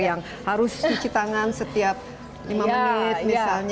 yang harus cuci tangan setiap lima menit misalnya